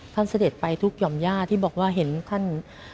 เสด็จไปทุกหย่อมย่าที่บอกว่าเห็นท่าน